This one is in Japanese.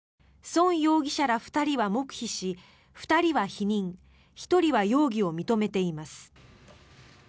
ソン容疑者ら２人は黙秘し２人は否認１人は容疑を認めています。